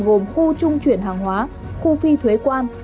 gồm khu trung chuyển hàng hóa khu phi thuế quan